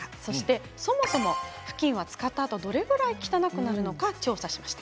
そして、そもそもふきんは使ったあと、どれくらい汚くなるのか調査しました。